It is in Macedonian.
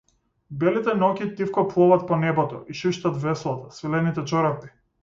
Белите ноќи тивко пловат по небото, и шуштат веслата, свилените чорапи.